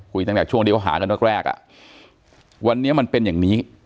คุยตั้งแต่ช่วงดิวหากันตั้งแรกอ่ะวันนี้มันเป็นอย่างนี้